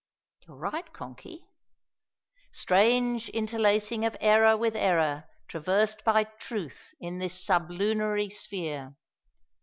"You're right, Konky." Strange interlacing of error with error traversed by truth in this sublunary sphere!